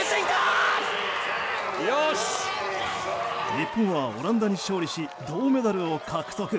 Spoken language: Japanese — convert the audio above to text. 日本はオランダに勝利し銅メダルを獲得。